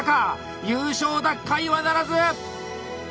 優勝奪回はならず！